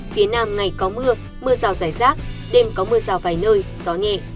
phía nam ngày có mưa mưa rào rải rác đêm có mưa rào vài nơi gió nhẹ